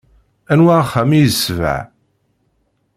Anwa axxam i yesbeɣ?